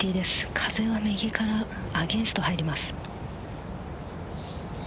風は右からアゲンスト、入ります。